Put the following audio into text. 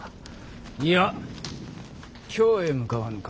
いや京へ向かわぬか。